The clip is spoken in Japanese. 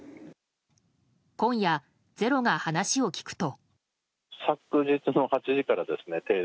今夜「ｚｅｒｏ」が話を聞くと。